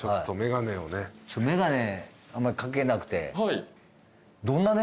眼鏡あんまり掛けなくて。